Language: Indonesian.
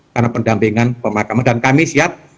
karena pendampingan pemakaman dan kami siap